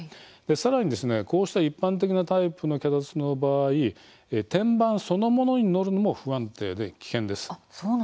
さらに、こうした一般的なタイプの脚立の場合天板そのものに乗るのも不安定で危険です。